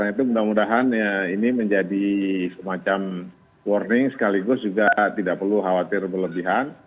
jadi mudah mudahan ini menjadi semacam warning sekaligus juga tidak perlu khawatir berlebihan